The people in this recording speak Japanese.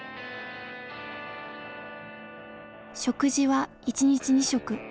食事は一日２食。